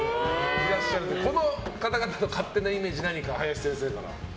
いらっしゃるのでこの方々の勝手なイメージ何か林先生から。